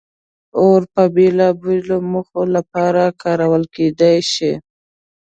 اور د بېلابېلو موخو لپاره کارول کېدی شي.